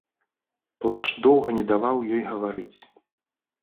Плач доўга не даваў ёй гаварыць.